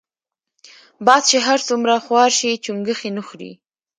باز چی هر څومره خوار شی چونګښی نه خوري .